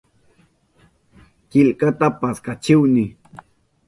Killkata paskachihuni.